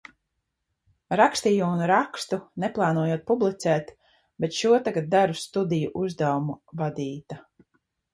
Rakstīju un rakstu neplānojot publicēt, bet šo tagad daru studiju uzdevuma vadīta.